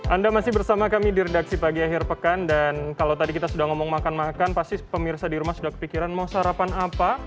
anda masih bersama kami di redaksi pagi akhir pekan dan kalau tadi kita sudah ngomong makan makan pasti pemirsa di rumah sudah kepikiran mau sarapan apa